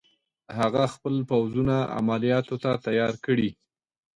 هغه خپل پوځونه عملیاتو ته تیار کړي.